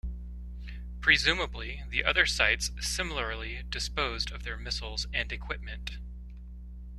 Presumably, the other sites similarly disposed of their missiles and equipment.